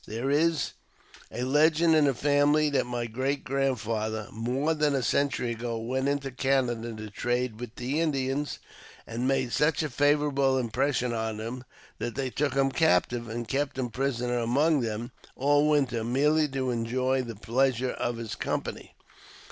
There is a legend in the family that my great grandfather more than a century ago went into Canada to trade with the Indians, and made such a favourable impression on them that they took him captive, and kept him prisoner among them all winter, merely to enjoy the pleasure of his company.